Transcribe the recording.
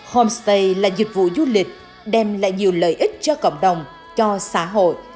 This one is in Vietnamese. homestay là dịch vụ du lịch đem lại nhiều lợi ích cho cộng đồng cho xã hội